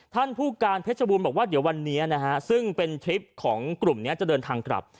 ท่านผู้การเพชรบูรณ์บอกว่าเดี๋ยววันนี้นะฮะซึ่งเป็นทริปของกลุ่มนี้จะเดินทางกลับ